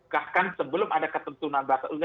bahkan sebelum ada ketentuan batas usia